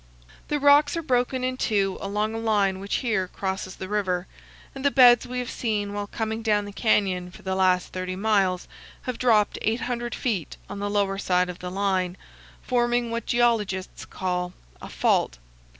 The rocks are broken in two along a line which here crosses the river, and the beds we have seen while coming down the canyon for the last 30 miles have dropped 800 feet on the lower side of the line, forming what geologists call a "fault."